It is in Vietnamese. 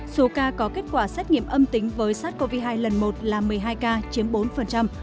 số ca có kết quả xét nghiệm âm tính với sars cov hai lần một là một mươi hai ca chiếm bốn